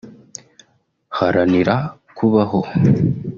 Haranira Kubaho